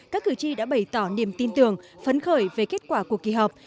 các cử tri đã bày tỏ niềm tin tưởng phấn khởi về kết quả của kỳ họp